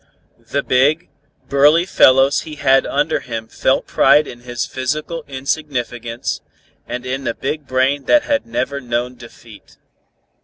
The big, burly fellows he had under him felt pride in his physical insignificance, and in the big brain that had never known defeat.